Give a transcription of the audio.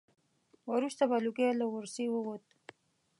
وروسته به لوګی له ورسی ووت.